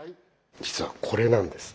実はこれなんです。